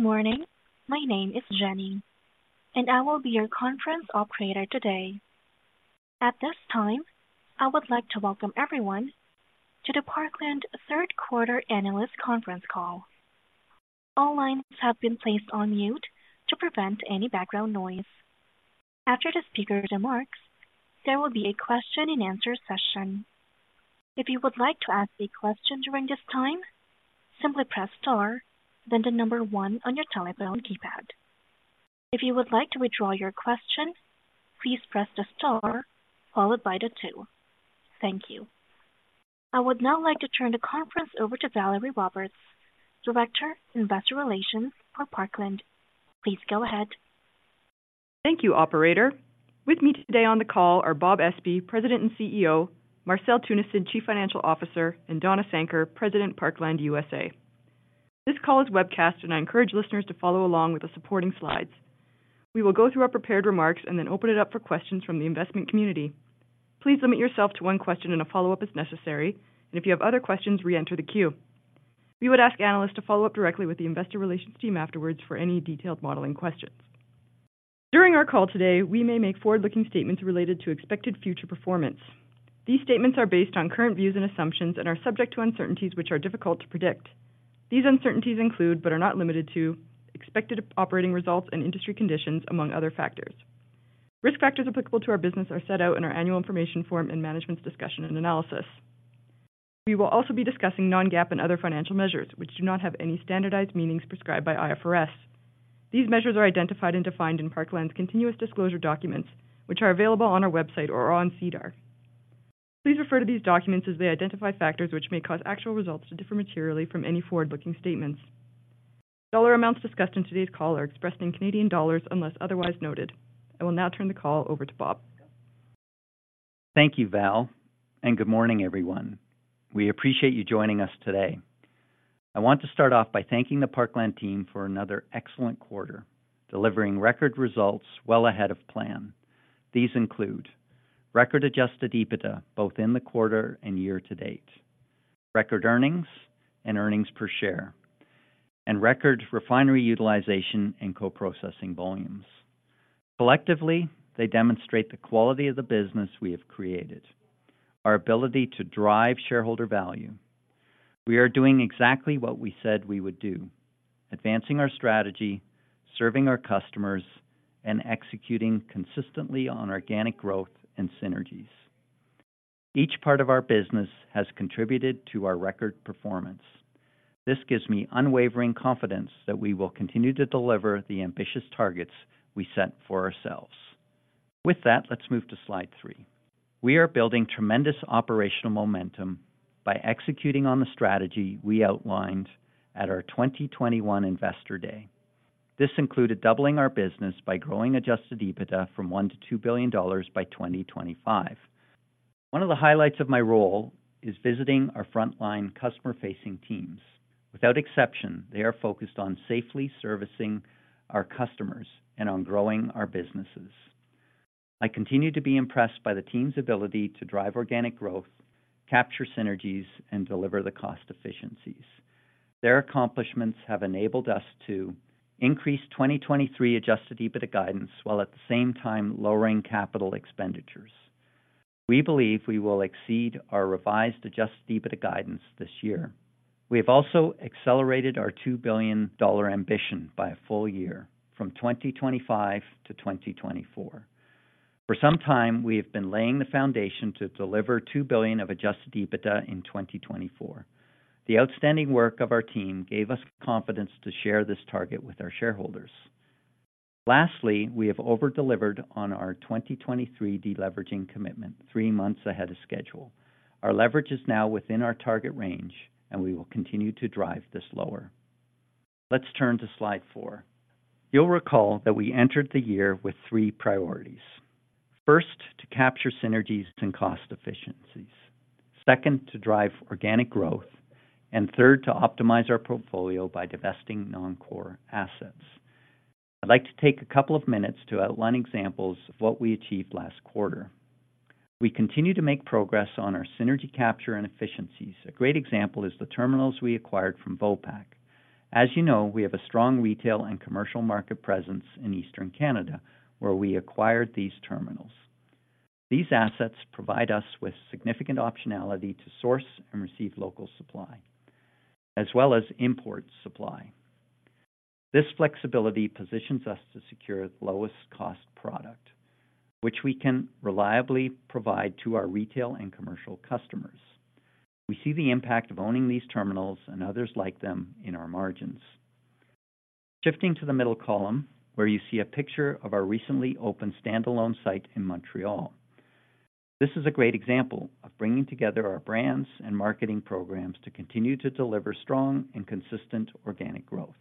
Good morning. My name is Jenny, and I will be your conference operator today. At this time, I would like to welcome everyone to the Parkland Q3 analyst conference call. All lines have been placed on mute to prevent any background noise. After the speaker remarks, there will be a question-and-answer session. If you would like to ask a question during this time, simply press Star, then the number one on your telephone keypad. If you would like to withdraw your question, please press the Star followed by the two. Thank you. I would now like to turn the conference over to Valerie Roberts, Director, Investor Relations for Parkland. Please go ahead. Thank you, operator. With me today on the call are Bob Espey, President and CEO, Marcel Teunissen, Chief Financial Officer, and Donna Sanker, President, Parkland USA. This call is webcast, and I encourage listeners to follow along with the supporting slides. We will go through our prepared remarks and then open it up for questions from the investment community. Please limit yourself to one question and a follow-up as necessary, and if you have other questions, reenter the queue. We would ask analysts to follow up directly with the investor relations team afterwards for any detailed modeling questions. During our call today, we may make forward-looking statements related to expected future performance. These statements are based on current views and assumptions and are subject to uncertainties, which are difficult to predict. These uncertainties include, but are not limited to, expected operating results and industry conditions, among other factors. Risk factors applicable to our business are set out in our Annual Information Form and Management's Discussion and Analysis. We will also be discussing non-GAAP and other financial measures, which do not have any standardized meanings prescribed by IFRS. These measures are identified and defined in Parkland's continuous disclosure documents, which are available on our website or on SEDAR. Please refer to these documents as they identify factors which may cause actual results to differ materially from any forward-looking statements. Dollar amounts discussed in today's call are expressed in Canadian dollars unless otherwise noted. I will now turn the call over to Bob. Thank you, Val, and good morning, everyone. We appreciate you joining us today. I want to start off by thanking the Parkland team for another excellent quarter, delivering record results well ahead of plan. These include record Adjusted EBITDA, both in the quarter and year to date, record earnings and earnings per share, and record refinery utilization and coprocessing volumes. Collectively, they demonstrate the quality of the business we have created, our ability to drive shareholder value. We are doing exactly what we said we would do, advancing our strategy, serving our customers, and executing consistently on organic growth and synergies. Each part of our business has contributed to our record performance. This gives me unwavering confidence that we will continue to deliver the ambitious targets we set for ourselves. With that, let's move to slide 3. We are building tremendous operational momentum by executing on the strategy we outlined at our 2021 Investor Day. This included doubling our business by growing Adjusted EBITDA from 1 billion-2 billion dollars by 2025. One of the highlights of my role is visiting our frontline customer-facing teams. Without exception, they are focused on safely servicing our customers and on growing our businesses. I continue to be impressed by the team's ability to drive organic growth, capture synergies, and deliver the cost efficiencies. Their accomplishments have enabled us to increase 2023 Adjusted EBITDA guidance, while at the same time lowering capital expenditures. We believe we will exceed our revised Adjusted EBITDA guidance this year. We have also accelerated our 2 billion dollar ambition by a full year, from 2025 to 2024. For some time, we have been laying the foundation to deliver 2 billion of Adjusted EBITDA in 2024. The outstanding work of our team gave us confidence to share this target with our shareholders. Lastly, we have over-delivered on our 2023 deleveraging commitment three months ahead of schedule. Our leverage is now within our target range, and we will continue to drive this lower. Let's turn to slide 4. You'll recall that we entered the year with three priorities. First, to capture synergies and cost efficiencies. Second, to drive organic growth, and third, to optimize our portfolio by divesting non-core assets. I'd like to take a couple of minutes to outline examples of what we achieved last quarter. We continue to make progress on our synergy capture and efficiencies. A great example is the terminals we acquired from Vopak. As you know, we have a strong retail and commercial market presence in Eastern Canada, where we acquired these terminals. These assets provide us with significant optionality to source and receive local supply, as well as import supply. This flexibility positions us to secure the lowest cost product, which we can reliably provide to our retail and commercial customers. We see the impact of owning these terminals and others like them in our margins. Shifting to the middle column, where you see a picture of our recently opened standalone site in Montreal. This is a great example of bringing together our brands and marketing programs to continue to deliver strong and consistent organic growth.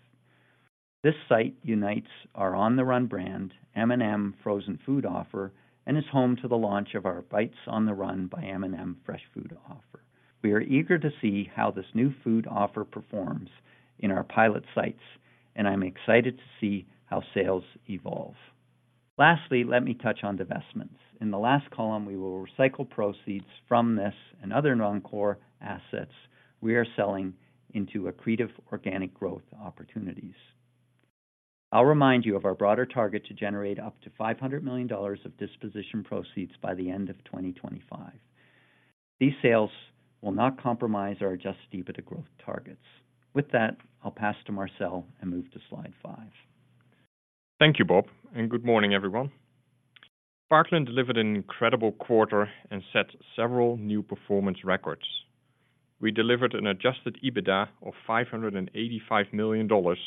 This site unites our On the Run brand, M&M Frozen Food offer, and is home to the launch of our Bites On The Run by M&M Fresh Food offer. We are eager to see how this new food offer performs in our pilot sites, and I'm excited to see how sales evolve. Lastly, let me touch on divestments. In the last column, we will recycle proceeds from this and other non-core assets we are selling into accretive organic growth opportunities. I'll remind you of our broader target to generate up to 500 million dollars of disposition proceeds by the end of 2025. These sales will not compromise our Adjusted EBITDA growth targets. With that, I'll pass to Marcel and move to slide 5. Thank you, Bob, and good morning, everyone. Parkland delivered an incredible quarter and set several new performance records. We delivered an adjusted EBITDA of 585 million dollars,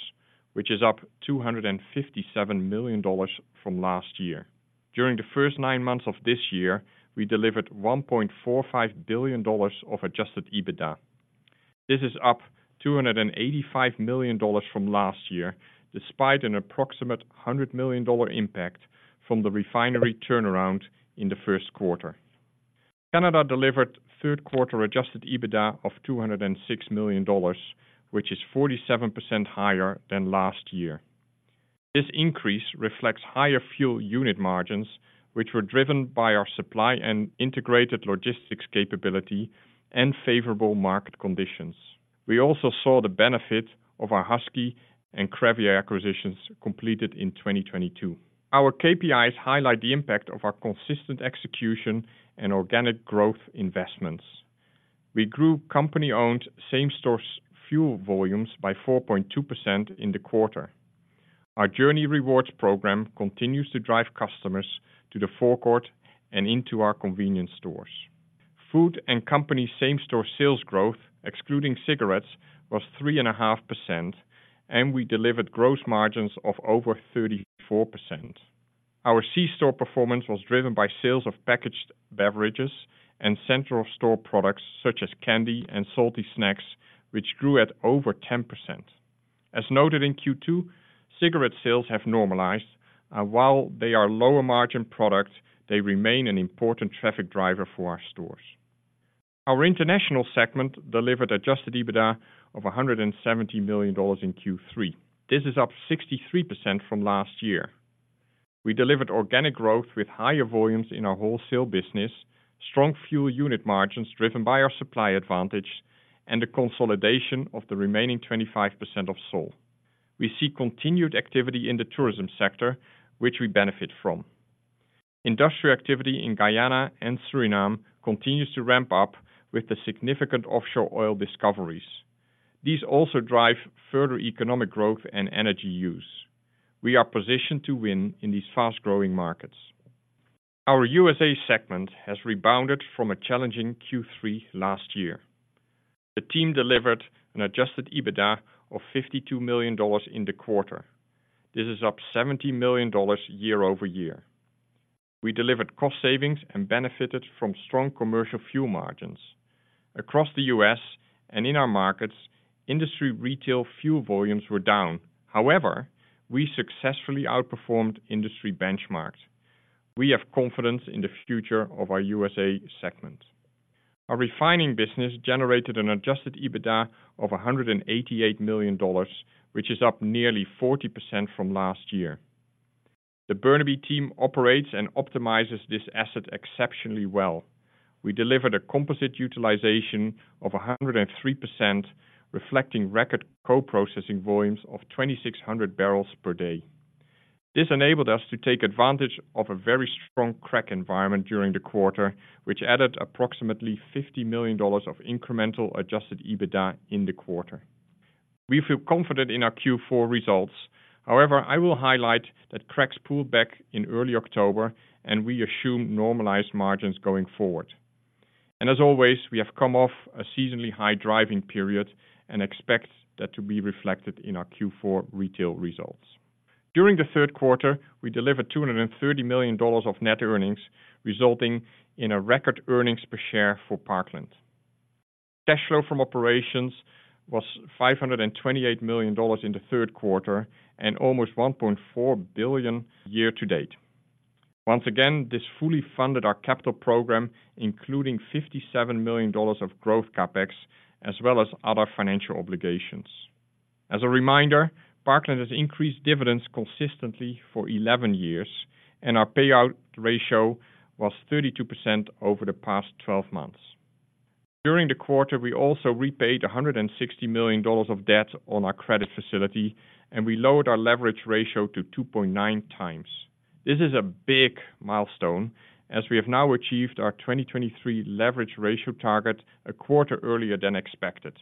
which is up 257 million dollars from last year. During the first nine months of this year, we delivered 1.45 billion dollars of adjusted EBITDA. This is up 285 million dollars from last year, despite an approximate 100 million dollar impact from the refinery turnaround in the Q1. Canada delivered Q3 adjusted EBITDA of 206 million dollars, which is 47% higher than last year. This increase reflects higher fuel unit margins, which were driven by our supply and integrated logistics capability and favorable market conditions. We also saw the benefit of our Husky and Crevier acquisitions completed in 2022. Our KPIs highlight the impact of our consistent execution and organic growth investments. We grew company-owned same-store fuel volumes by 4.2% in the quarter. Our JOURNIE Rewards program continues to drive customers to the forecourt and into our convenience stores. Food and company same-store sales growth, excluding cigarettes, was 3.5%, and we delivered gross margins of over 34%. Our C-store performance was driven by sales of packaged beverages and central store products, such as candy and salty snacks, which grew at over 10%. As noted in Q2, cigarette sales have normalized. While they are lower-margin products, they remain an important traffic driver for our stores. Our international segment delivered Adjusted EBITDA of 170 million dollars in Q3. This is up 63% from last year. We delivered organic growth with higher volumes in our wholesale business, strong fuel unit margins driven by our supply advantage, and the consolidation of the remaining 25% of Sol. We see continued activity in the tourism sector, which we benefit from. Industrial activity in Guyana and Suriname continues to ramp up with the significant offshore oil discoveries. These also drive further economic growth and energy use. We are positioned to win in these fast-growing markets. Our USA segment has rebounded from a challenging Q3 last year. The team delivered an Adjusted EBITDA of $52 million in the quarter. This is up $70 million year-over-year. We delivered cost savings and benefited from strong commercial fuel margins. Across the US and in our markets, industry retail fuel volumes were down. However, we successfully outperformed industry benchmarks. We have confidence in the future of our USA segment. Our refining business generated an Adjusted EBITDA of 188 million dollars, which is up nearly 40% from last year. The Burnaby team operates and optimizes this asset exceptionally well. We delivered a Composite Utilization of 103%, reflecting record Coprocessing volumes of 2,600 barrels per day. This enabled us to take advantage of a very strong crack environment during the quarter, which added approximately 50 million dollars of incremental Adjusted EBITDA in the quarter. We feel confident in our Q4 results. However, I will highlight that cracks pulled back in early October, and we assume normalized margins going forward. And as always, we have come off a seasonally high driving period and expect that to be reflected in our Q4 retail results. During the Q3, we delivered 230 million dollars of net earnings, resulting in a record earnings per share for Parkland. Cash flow from operations was 528 million dollars in the Q3 and almost 1.4 billion year to date. Once again, this fully funded our capital program, including 57 million dollars of growth CapEx, as well as other financial obligations. As a reminder, Parkland has increased dividends consistently for eleven years, and our payout ratio was 32% over the past twelve months. During the quarter, we also repaid 160 million dollars of debt on our credit facility, and we lowered our leverage ratio to 2.9 times. This is a big milestone, as we have now achieved our 2023 Leverage Ratio target a quarter earlier than expected,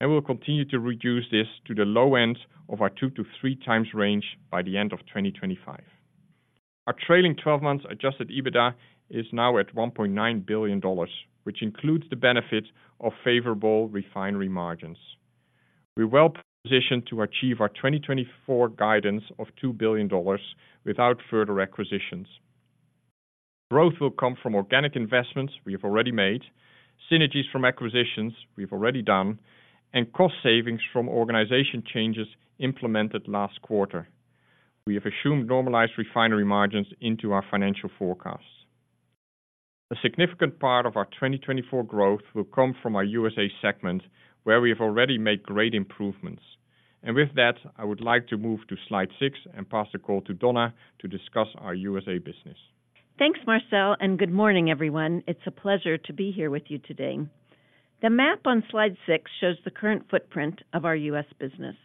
and we'll continue to reduce this to the low end of our 2-3 times range by the end of 2025. Our trailing twelve months Adjusted EBITDA is now at 1.9 billion dollars, which includes the benefit of favorable refinery margins. We're well positioned to achieve our 2024 guidance of 2 billion dollars without further acquisitions. Growth will come from organic investments we have already made, synergies from acquisitions we've already done, and cost savings from organization changes implemented last quarter. We have assumed normalized refinery margins into our financial forecasts. A significant part of our 2024 growth will come from our USA segment, where we have already made great improvements. With that, I would like to move to slide 6 and pass the call to Donna to discuss our USA business. Thanks, Marcel, and good morning, everyone. It's a pleasure to be here with you today. The map on slide six shows the current footprint of our U.S. business.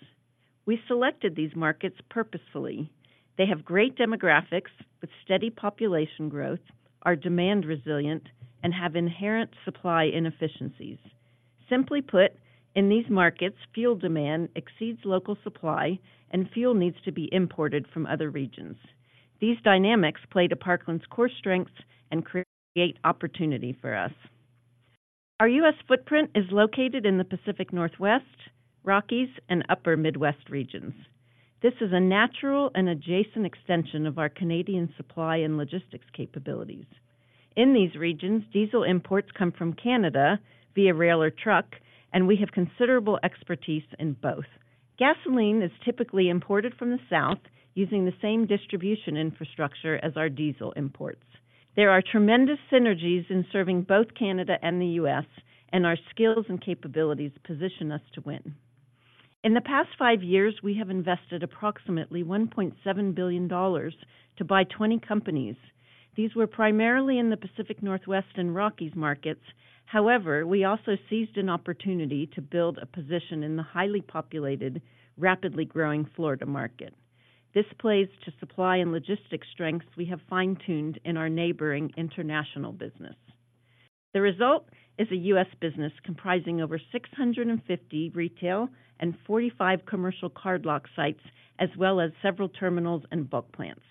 We selected these markets purposefully. They have great demographics with steady population growth, are demand resilient, and have inherent supply inefficiencies. Simply put, in these markets, fuel demand exceeds local supply, and fuel needs to be imported from other regions. These dynamics play to Parkland's core strengths and create opportunity for us. Our U.S. footprint is located in the Pacific Northwest, Rockies, and Upper Midwest regions. This is a natural and adjacent extension of our Canadian supply and logistics capabilities. In these regions, diesel imports come from Canada via rail or truck, and we have considerable expertise in both. Gasoline is typically imported from the South, using the same distribution infrastructure as our diesel imports. There are tremendous synergies in serving both Canada and the U.S., and our skills and capabilities position us to win. In the past five years, we have invested approximately $1.7 billion to buy 20 companies. These were primarily in the Pacific Northwest and Rockies markets. However, we also seized an opportunity to build a position in the highly populated, rapidly growing Florida market. This plays to supply and logistics strengths we have fine-tuned in our neighboring international business. The result is a U.S. business comprising over 650 retail and 45 commercial cardlock sites, as well as several terminals and bulk plants.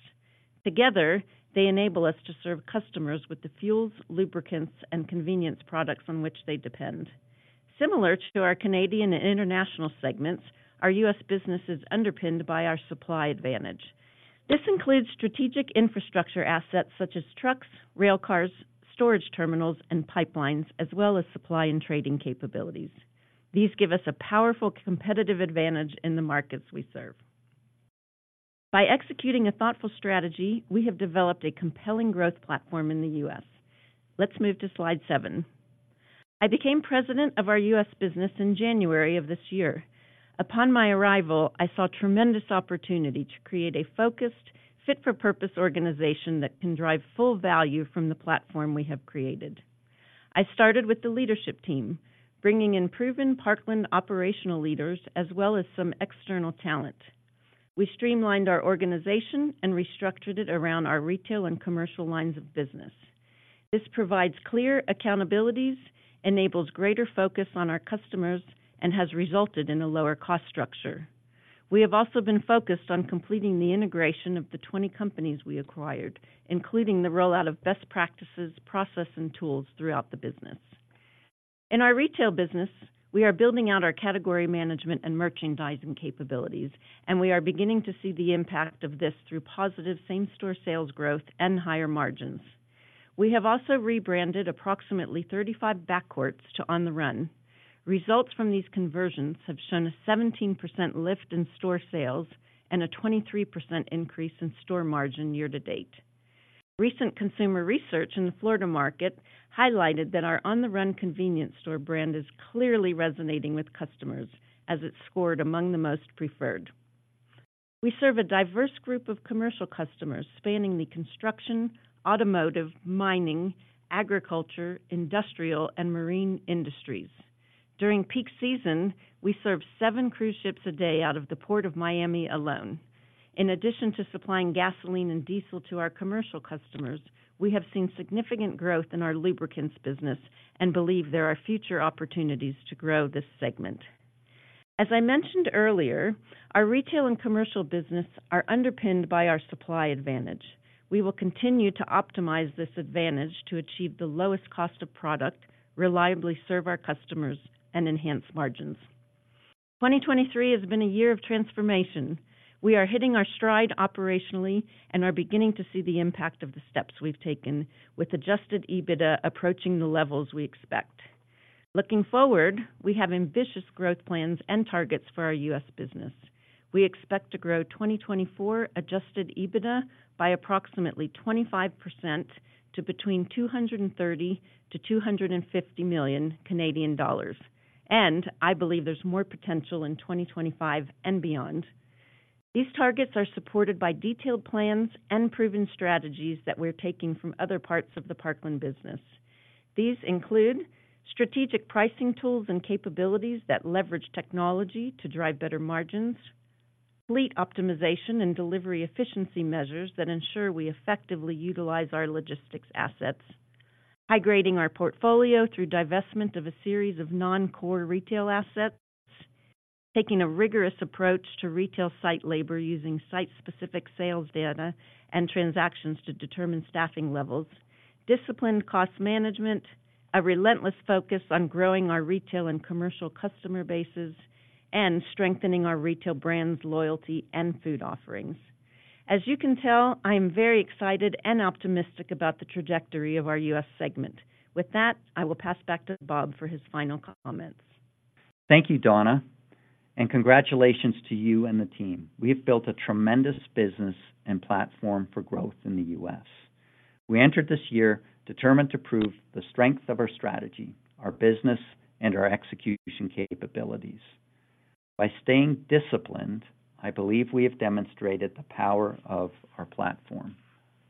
Together, they enable us to serve customers with the fuels, lubricants, and convenience products on which they depend. Similar to our Canadian and international segments, our U.S. business is underpinned by our supply advantage. This includes strategic infrastructure assets such as trucks, rail cars, storage terminals, and pipelines, as well as supply and trading capabilities. These give us a powerful competitive advantage in the markets we serve. By executing a thoughtful strategy, we have developed a compelling growth platform in the U.S. Let's move to slide 7. I became president of our U.S. business in January of this year. Upon my arrival, I saw tremendous opportunity to create a focused, fit-for-purpose organization that can drive full value from the platform we have created. I started with the leadership team, bringing in proven Parkland operational leaders as well as some external talent. We streamlined our organization and restructured it around our retail and commercial lines of business. This provides clear accountabilities, enables greater focus on our customers, and has resulted in a lower cost structure. We have also been focused on completing the integration of the 20 companies we acquired, including the rollout of best practices, process, and tools throughout the business. In our retail business, we are building out our category management and merchandising capabilities, and we are beginning to see the impact of this through positive same-store sales growth and higher margins. We have also rebranded approximately 35 Backcourts to On the Run. Results from these conversions have shown a 17% lift in store sales and a 23% increase in store margin year-to-date. Recent consumer research in the Florida market highlighted that our On the Run convenience store brand is clearly resonating with customers as it scored among the most preferred. We serve a diverse group of commercial customers spanning the construction, automotive, mining, agriculture, industrial, and marine industries. During peak season, we serve 7 cruise ships a day out of the Port of Miami alone. In addition to supplying gasoline and diesel to our commercial customers, we have seen significant growth in our lubricants business and believe there are future opportunities to grow this segment. As I mentioned earlier, our retail and commercial business are underpinned by our supply advantage. We will continue to optimize this advantage to achieve the lowest cost of product, reliably serve our customers, and enhance margins. 2023 has been a year of transformation. We are hitting our stride operationally and are beginning to see the impact of the steps we've taken, with Adjusted EBITDA approaching the levels we expect. Looking forward, we have ambitious growth plans and targets for our U.S. business. We expect to grow 2024 Adjusted EBITDA by approximately 25% to between 230 million to 250 million Canadian dollars, and I believe there's more potential in 2025 and beyond. These targets are supported by detailed plans and proven strategies that we're taking from other parts of the Parkland business. These include strategic pricing tools and capabilities that leverage technology to drive better margins, fleet optimization and delivery efficiency measures that ensure we effectively utilize our logistics assets, high-grading our portfolio through divestment of a series of non-core retail assets, taking a rigorous approach to retail site labor using site-specific sales data and transactions to determine staffing levels, disciplined cost management, a relentless focus on growing our retail and commercial customer bases, and strengthening our retail brands, loyalty, and food offerings. As you can tell, I am very excited and optimistic about the trajectory of our US segment. With that, I will pass back to Bob for his final comments. ...Thank you, Donna, and congratulations to you and the team. We have built a tremendous business and platform for growth in the U.S. We entered this year determined to prove the strength of our strategy, our business, and our execution capabilities. By staying disciplined, I believe we have demonstrated the power of our platform.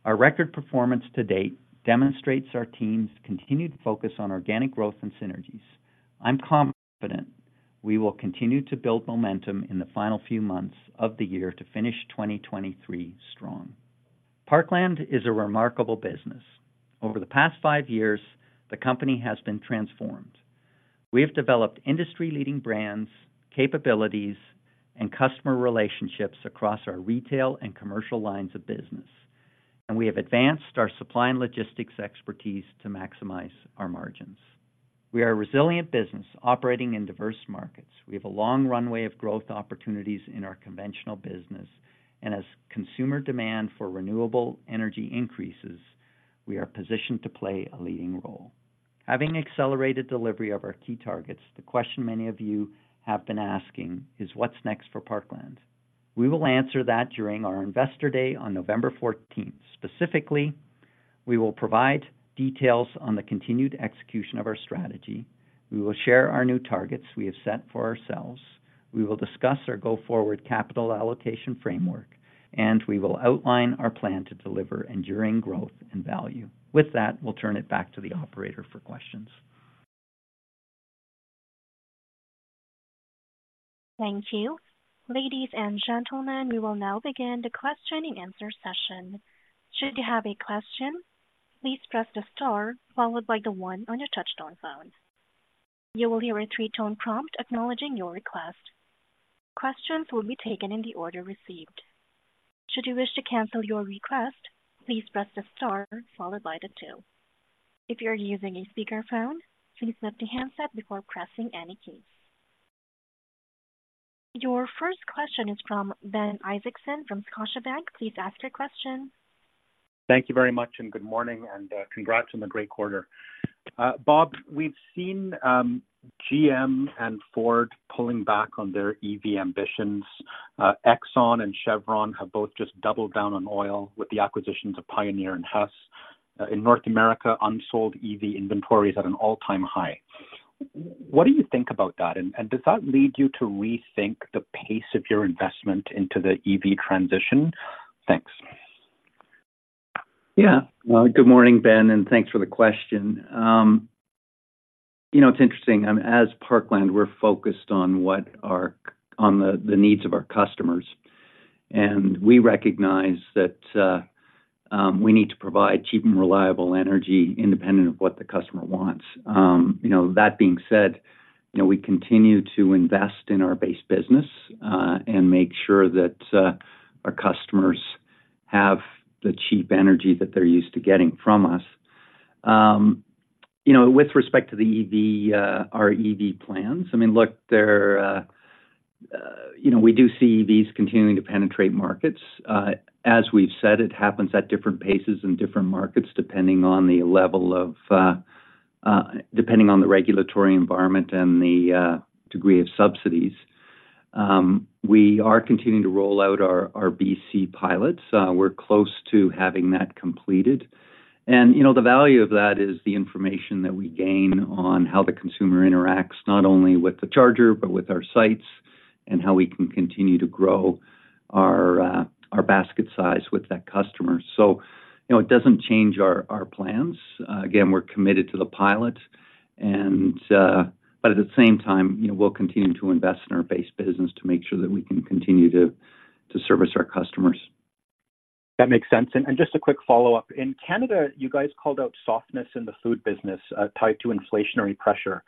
Our record performance to date demonstrates our team's continued focus on organic growth and synergies. I'm confident we will continue to build momentum in the final few months of the year to finish 2023 strong. Parkland is a remarkable business. Over the past five years, the company has been transformed. We have developed industry-leading brands, capabilities, and customer relationships across our retail and commercial lines of business, and we have advanced our supply and logistics expertise to maximize our margins. We are a resilient business operating in diverse markets. We have a long runway of growth opportunities in our conventional business, and as consumer demand for renewable energy increases, we are positioned to play a leading role. Having accelerated delivery of our key targets, the question many of you have been asking is: What's next for Parkland? We will answer that during our Investor Day on November 14. Specifically, we will provide details on the continued execution of our strategy, we will share our new targets we have set for ourselves, we will discuss our go-forward capital allocation framework, and we will outline our plan to deliver enduring growth and value. With that, we'll turn it back to the operator for questions. Thank you. Ladies and gentlemen, we will now begin the question-and-answer session. Should you have a question, please press the star followed by the one on your touch-tone phone. You will hear a three-tone prompt acknowledging your request. Questions will be taken in the order received. Should you wish to cancel your request, please press the star followed by the two. If you're using a speakerphone, please mute the handset before pressing any keys. Your first question is from Ben Isaacson from Scotiabank. Please ask your question. Thank you very much, and good morning, and congrats on the great quarter. Bob, we've seen GM and Ford pulling back on their EV ambitions. Exxon and Chevron have both just doubled down on oil with the acquisitions of Pioneer and Hess. In North America, unsold EV inventory is at an all-time high. What do you think about that, and does that lead you to rethink the pace of your investment into the EV transition? Thanks. Yeah. Well, good morning, Ben, and thanks for the question. You know, it's interesting, as Parkland, we're focused on the needs of our customers, and we recognize that we need to provide cheap and reliable energy independent of what the customer wants. You know, that being said, you know, we continue to invest in our base business, and make sure that our customers have the cheap energy that they're used to getting from us. You know, with respect to the EV, our EV plans, I mean, look, they're... You know, we do see EVs continuing to penetrate markets. As we've said, it happens at different paces in different markets, depending on the regulatory environment and the degree of subsidies. We are continuing to roll out our BC pilots. We're close to having that completed. You know, the value of that is the information that we gain on how the consumer interacts, not only with the charger, but with our sites, and how we can continue to grow our basket size with that customer. You know, it doesn't change our plans. Again, we're committed to the pilot, but at the same time, you know, we'll continue to invest in our base business to make sure that we can continue to service our customers. That makes sense. And just a quick follow-up. In Canada, you guys called out softness in the food business tied to inflationary pressure.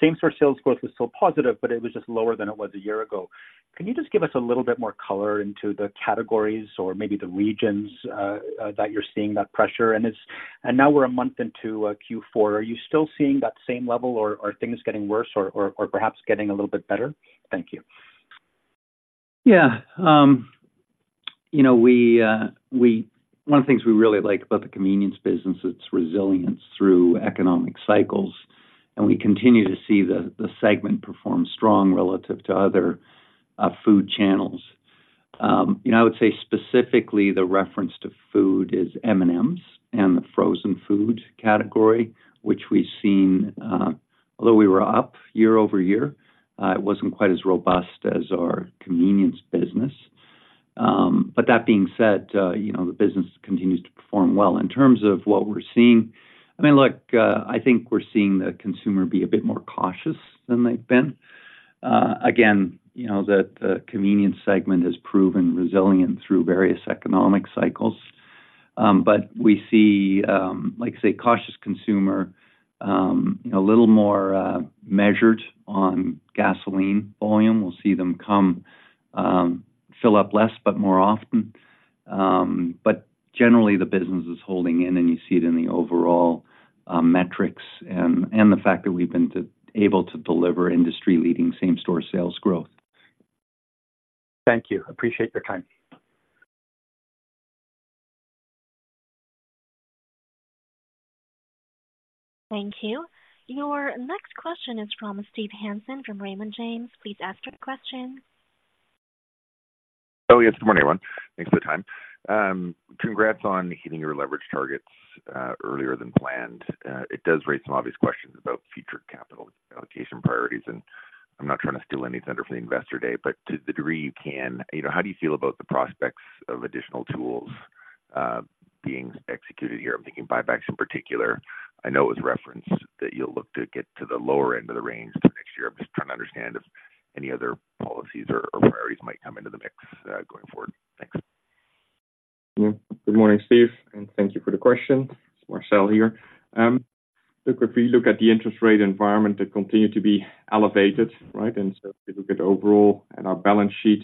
Same store sales growth was still positive, but it was just lower than it was a year ago. Can you just give us a little bit more color into the categories or maybe the regions that you're seeing that pressure? And now we're a month into Q4. Are you still seeing that same level, or are things getting worse or perhaps getting a little bit better? Thank you. Yeah. You know, we one of the things we really like about the convenience business, it's resilience through economic cycles, and we continue to see the segment perform strong relative to other food channels. You know, I would say specifically the reference to food is M&M's and the frozen food category, which we've seen, although we were up year-over-year, it wasn't quite as robust as our convenience business. But that being said, you know, the business continues to perform well. In terms of what we're seeing, I mean, look, I think we're seeing the consumer be a bit more cautious than they've been. Again, you know, the convenience segment has proven resilient through various economic cycles. But we see, like, say, cautious consumer, a little more measured on gasoline volume. We'll see them come, fill up less, but more often. But generally, the business is holding in, and you see it in the overall metrics and the fact that we've been able to deliver industry-leading same-store sales growth. Thank you. Appreciate your time. Thank you. Your next question is from Steve Hansen from Raymond James. Please ask your question. Oh, yes, good morning, everyone. Thanks for the time. Congrats on hitting your leverage targets earlier than planned. It does raise some obvious questions about future capital allocation priorities, and I'm not trying to steal any thunder for the Investor Day, but to the degree you can, you know, how do you feel about the prospects of additional tools being executed here? I'm thinking buybacks in particular. I know it was referenced that you'll look to get to the lower end of the range for next year. I'm just trying to understand if any other policies or priorities might come into the mix going forward. Thanks. Good morning, Steve, and thank you for the question. It's Marcel here. Look, if we look at the interest rate environment, it continue to be elevated, right? And so if we look at overall and our balance sheet,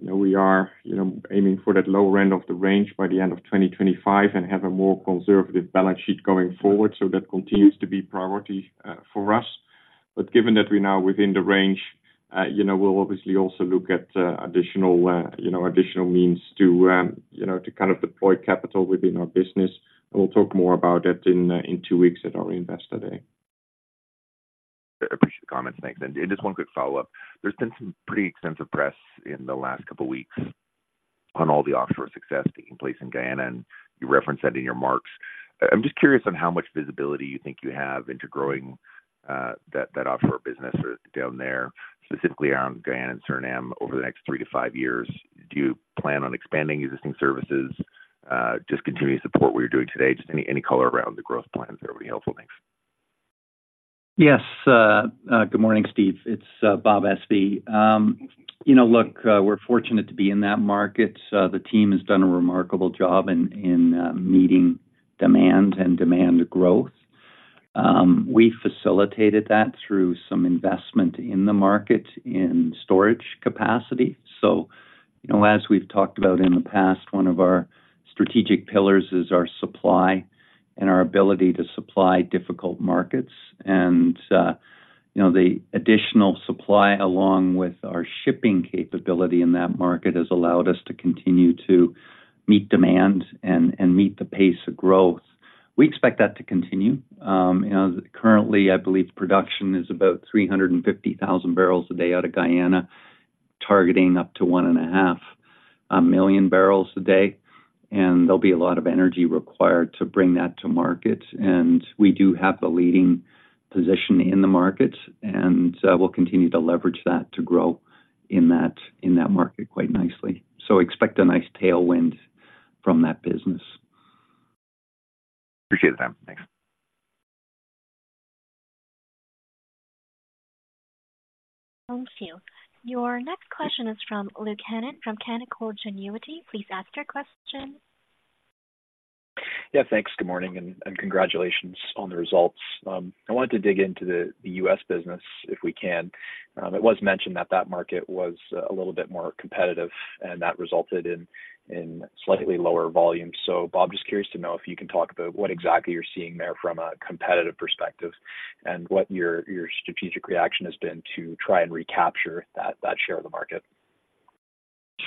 you know, we are, you know, aiming for that lower end of the range by the end of 2025 and have a more conservative balance sheet going forward, so that continues to be priority, for us. But given that we're now within the range, you know, we'll obviously also look at, additional, you know, additional means to, you know, to kind of deploy capital within our business, and we'll talk more about that in, in two weeks at our Investor Day. Appreciate the comments. Thanks. And just one quick follow-up. There's been some pretty extensive press in the last couple weeks on all the offshore success taking place in Guyana, and you referenced that in your remarks. I'm just curious on how much visibility you think you have into growing that offshore business or down there, specifically around Guyana and Suriname, over the next three to five years. Do you plan on expanding existing services, just continue to support what you're doing today? Just any color around the growth plans, that would be helpful. Thanks. Yes, good morning, Steve. It's Bob Espey. You know, look, we're fortunate to be in that market. The team has done a remarkable job in meeting demand and demand growth. We facilitated that through some investment in the market, in storage capacity. So, you know, as we've talked about in the past, one of our strategic pillars is our supply and our ability to supply difficult markets. And, you know, the additional supply, along with our shipping capability in that market, has allowed us to continue to meet demand and meet the pace of growth. We expect that to continue. You know, currently, I believe production is about 350,000 barrels a day out of Guyana, targeting up to 1.5 million barrels a day, and there'll be a lot of energy required to bring that to market. We do have the leading position in the market, and we'll continue to leverage that to grow in that market quite nicely. Expect a nice tailwind from that business. Appreciate the time. Thanks. Thank you. Your next question is from Luke Hannan, from Canaccord Genuity. Please ask your question. Yeah, thanks. Good morning, and congratulations on the results. I wanted to dig into the US business, if we can. It was mentioned that that market was a little bit more competitive, and that resulted in slightly lower volumes. So Bob, just curious to know if you can talk about what exactly you're seeing there from a competitive perspective and what your strategic reaction has been to try and recapture that share of the market.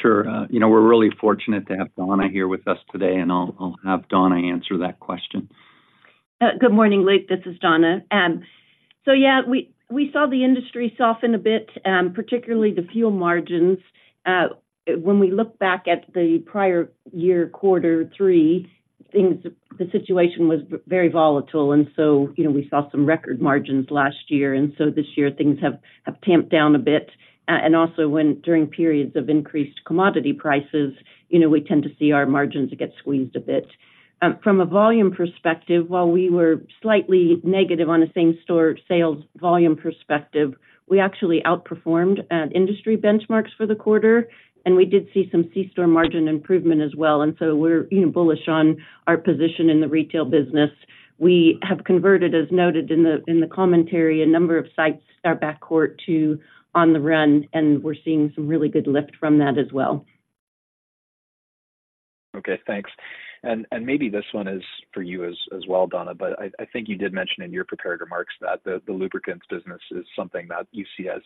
Sure. You know, we're really fortunate to have Donna here with us today, and I'll have Donna answer that question. Good morning, Luke. This is Donna. So yeah, we saw the industry soften a bit, particularly the fuel margins. When we look back at the prior year, quarter three, things, the situation was very volatile, and so, you know, we saw some record margins last year, and so this year things have tamped down a bit. And also, during periods of increased commodity prices, you know, we tend to see our margins get squeezed a bit. From a volume perspective, while we were slightly negative on a same-store sales volume perspective, we actually outperformed industry benchmarks for the quarter, and we did see some c-store margin improvement as well. And so we're, you know, bullish on our position in the retail business. We have converted, as noted in the commentary, a number of sites, our forecourt to On the Run, and we're seeing some really good lift from that as well. Okay, thanks. And maybe this one is for you as well, Donna, but I think you did mention in your prepared remarks that the lubricants business is something that you see as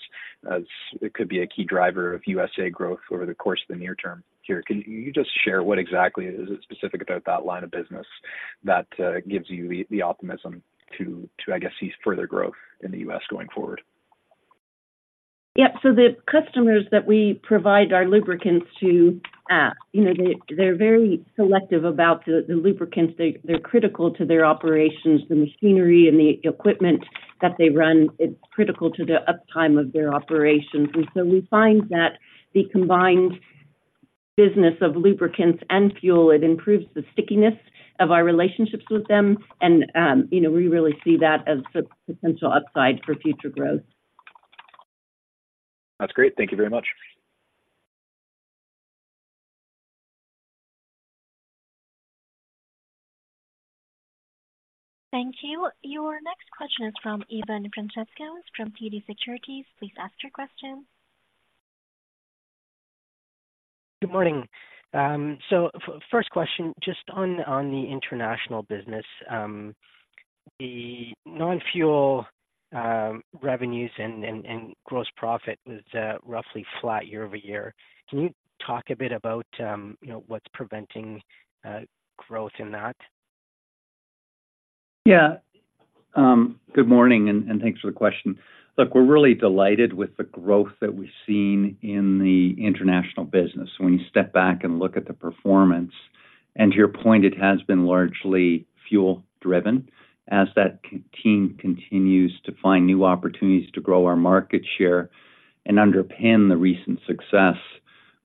it could be a key driver of USA growth over the course of the near term here. Can you just share what exactly is specific about that line of business that gives you the optimism to, I guess, see further growth in the US going forward? Yeah. So the customers that we provide our lubricants to, you know, they're very selective about the lubricants. They're critical to their operations, the machinery and the equipment that they run; it's critical to the uptime of their operations. And so we find that the combined business of lubricants and fuel, it improves the stickiness of our relationships with them, and, you know, we really see that as a potential upside for future growth. That's great. Thank you very much. Thank you. Your next question is from Evan Frantzeskos, from TD Securities. Please ask your question. Good morning. So first question, just on the international business, the non-fuel-... Revenues and gross profit was roughly flat year-over-year. Can you talk a bit about, you know, what's preventing growth in that? Yeah. Good morning, and thanks for the question. Look, we're really delighted with the growth that we've seen in the international business. When you step back and look at the performance, and to your point, it has been largely fuel driven as that team continues to find new opportunities to grow our market share and underpin the recent success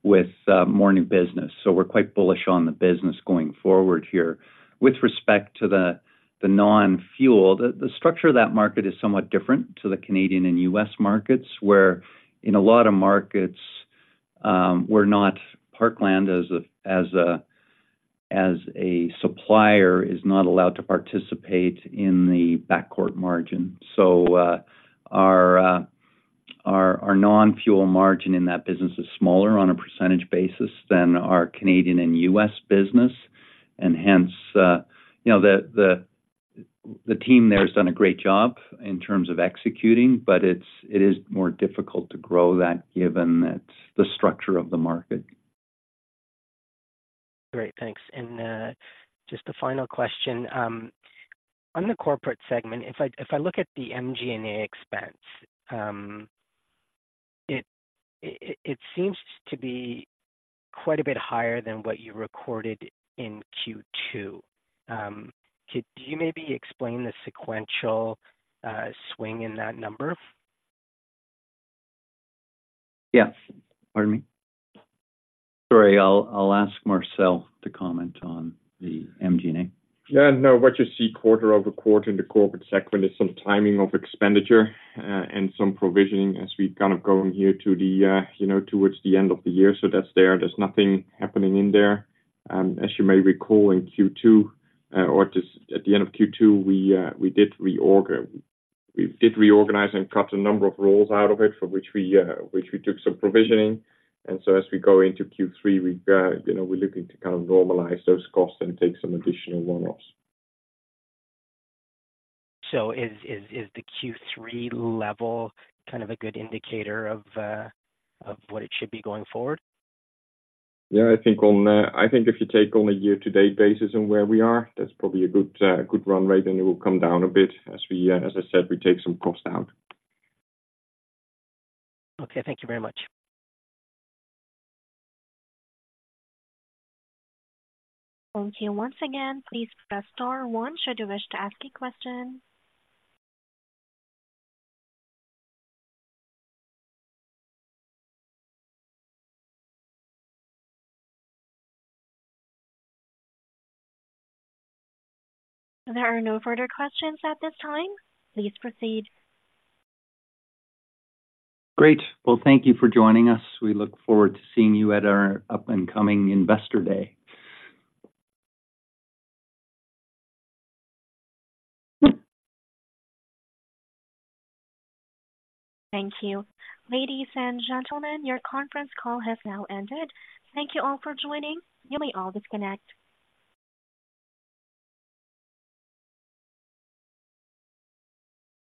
with more new business. We're quite bullish on the business going forward here. With respect to the non-fuel, the structure of that market is somewhat different to the Canadian and U.S. markets, where in a lot of markets, Parkland as a supplier is not allowed to participate in the backcourt margin. So, our non-fuel margin in that business is smaller on a percentage basis than our Canadian and US business, and hence, you know, the team there has done a great job in terms of executing, but it is more difficult to grow that given it's the structure of the market. Great, thanks. And just a final question. On the corporate segment, if I look at the SG&A expense, it seems to be quite a bit higher than what you recorded in Q2. Could you maybe explain the sequential swing in that number? Yeah. Pardon me? Sorry, I'll ask Marcel to comment on the MG&A. Yeah, no, what you see quarter over quarter in the corporate segment is some timing of expenditure, and some provisioning as we kind of go in here to the, you know, towards the end of the year. So that's there. There's nothing happening in there. As you may recall, in Q2, or just at the end of Q2, we, we did reorganize and cut a number of roles out of it, for which we, which we took some provisioning. And so as we go into Q3, we, you know, we're looking to kind of normalize those costs and take some additional one-offs. So is the Q3 level kind of a good indicator of what it should be going forward? Yeah, I think on, I think if you take on a year-to-date basis on where we are, that's probably a good, good run rate, and it will come down a bit as we, as I said, we take some cost out. Okay. Thank you very much. Thank you. Once again, please press star one should you wish to ask a question. There are no further questions at this time. Please proceed. Great. Well, thank you for joining us. We look forward to seeing you at our up-and-coming Investor Day. Thank you. Ladies and gentlemen, your conference call has now ended. Thank you all for joining. You may all disconnect.